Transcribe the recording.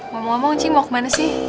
mau ngomong cing mau kemana sih